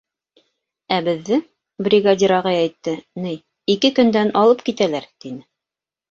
Ә беҙҙе... бригадир ағай әйтте, ни... ике көндән алып китәләр, тине.